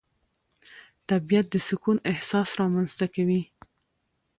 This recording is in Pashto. طبیعت د سکون احساس رامنځته کوي